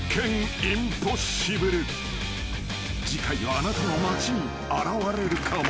［次回はあなたの街に現れるかも？］